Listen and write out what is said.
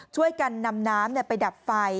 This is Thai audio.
ช่วยกันนำน้ำไปดับไฟ